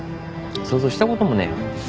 想像したこともねえよ。